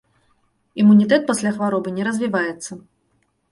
Імунітэт пасля хваробы не развіваецца.